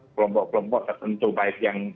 kelompok kelompok tertentu baik yang